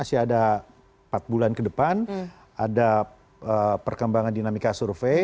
ya ada perkembangan dinamika survei